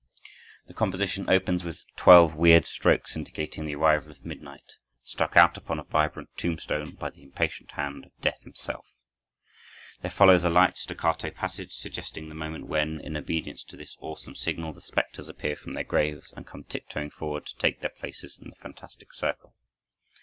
The composition opens with twelve weird strokes indicating the arrival of midnight, struck out upon a vibrant tombstone by the impatient hand of Death himself. There follows a light, staccato passage, suggesting the moment when, in obedience to this awesome signal, the specters appear from their graves and come tiptoeing forward to take their places in the fantastic circle.